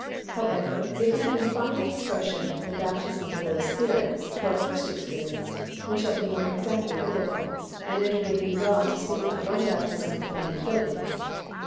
However, if we confine the expression "baptism with the Holy Spirit" to our first experience, we shall be more exactly Biblical and it would be well to speak of one baptism but many fillings.